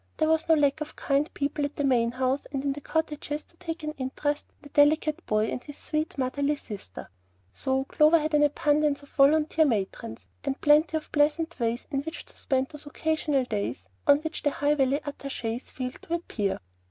There was no lack of kind people at the main house and in the cottages to take an interest in the delicate boy and his sweet, motherly sister; so Clover had an abundance of volunteer matrons, and plenty of pleasant ways in which to spend those occasional days on which the High Valley attaches failed to appear.